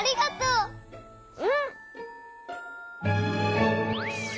うん！